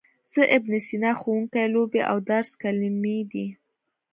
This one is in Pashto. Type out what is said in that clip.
زه، ابن سینا، ښوونکی، لوبې او درس کلمې دي.